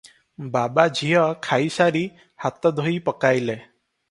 ବାବାଝିଅ ଖାଇସାରି ହାତ ଧୋଇ ପକାଇଲେ ।